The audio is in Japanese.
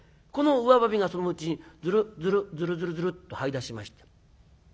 このうわばみがそのうちにズルズルズルズルズルッとはい出しました。